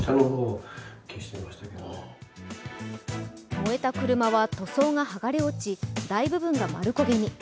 燃えた車は塗装が剥がれ落ち、大部分が丸焦げに。